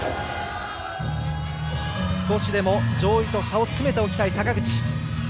少しでも上位と差を詰めたい坂口。